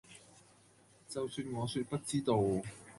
就算我說不知道